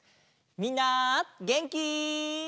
みんなげんき？